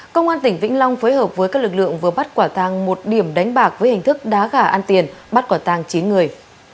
công an tỉnh vĩnh long phối hợp với các lực lượng vừa bắt quả thang một điểm đánh bạc với hình thức đá gà ăn tiền bắt quả tàng chín người